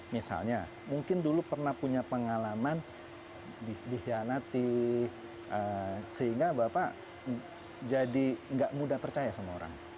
misalnya mungkin dulu pernah punya pengalaman dihianati sehingga bapak jadi nggak mudah percaya sama orang